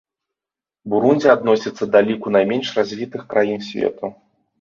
Бурундзі адносіцца да ліку найменш развітых краін свету.